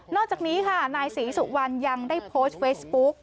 อกจากนี้ค่ะนายศรีสุวรรณยังได้โพสต์เฟซบุ๊ก